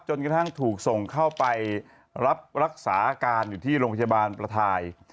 จนกระทั่งถูกส่งเข้าไปรับรักษาอาการอยู่ที่โรงพยาบาลประทาย